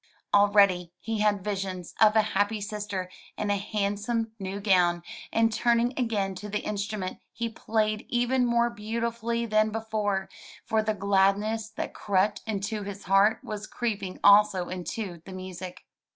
Already he had visions of a happy sister in a hand some new gown, and turning again to the instrument, he played even more beautifully than before, for the gladness that crept into his heart was creeping also into the music.